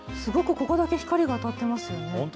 ここだけ光が当たっていますね。